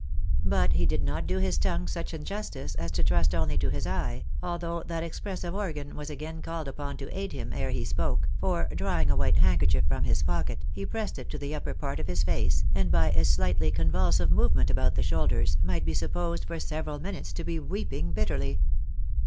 But he did not do his tongue such injustice as to trust only to his eye, although that expressive organ was again called upon to aid him ere he spoke, for drawing a white handkerchief from his pocket, he pressed it to the upper part of his face, and by a sUghtly convulsive movement about the shoulders, might be supposed for several minutes to be weeping bitterly.